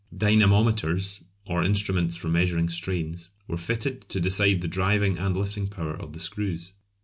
Dynamometers, or instruments for measuring strains, were fitted to decide the driving and lifting power of the screws.